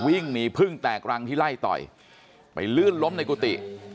วิ่งหนีพึ่งแตกรังที่ไล่ต่อยไปลื่นล้มในกุฏิ